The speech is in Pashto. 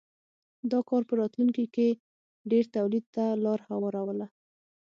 دا کار په راتلونکې کې ډېر تولید ته لار هواروله.